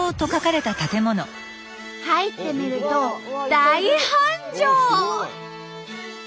入ってみると大繁盛！